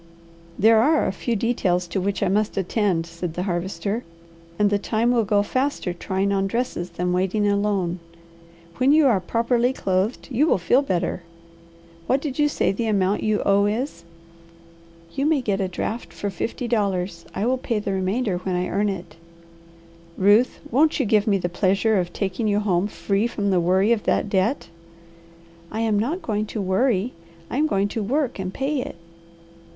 "There are a few details to which I must attend," said the Harvester, "and the time will go faster trying on dresses than waiting alone. When you are properly clothed you will feel better. What did you say the amount you owe is?" "You may get a draft for fifty dollars. I will pay the remainder when I earn it." "Ruth, won't you give me the pleasure of taking you home free from the worry of that debt?" "I am not going to 'worry.' I am going to work and pay it."